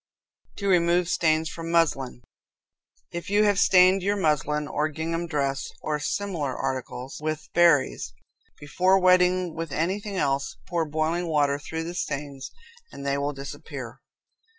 To Remove Stains from Muslin. If you have stained your muslin or gingham dress, or similar articles, with berries, before wetting with anything else, pour boiling water through the stains and they will disappear.